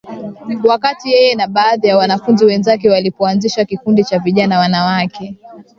wakati yeye na baadhi ya wanafunzi wenzake walipoanzisha kikundi cha Vijana Wanawake